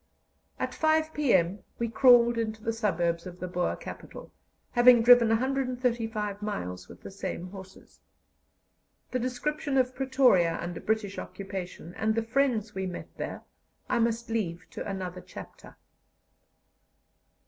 At 5 p.m. we crawled into the suburbs of the Boer capital, having driven 135 miles with the same horses. The description of Pretoria under British occupation, and the friends we met there, I must leave to another chapter.